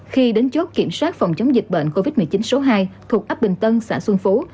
khi đến chốt kiểm soát phòng chống dịch bệnh covid một mươi chín số hai thuộc ấp bình tân xã xuân phú